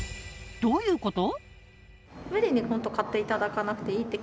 どういうこと？